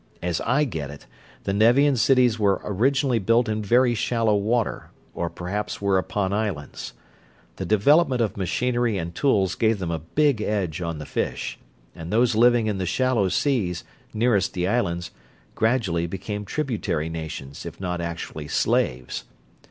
As I get it, the Nevian cities were originally built in very shallow water, or perhaps were upon islands. The development of machinery and tools gave them a big edge on the fish; and those living in the shallow seas, nearest the islands, gradually became tributary nations, if not actually slaves.